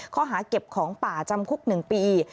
ข้อหาเก็บของป่าจำคุก๑ปี